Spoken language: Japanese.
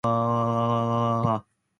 こんごしゃかい